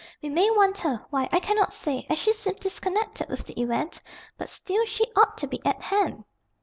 We may want her why, I cannot say, as she seems disconnected with the event, but still she ought to be at hand."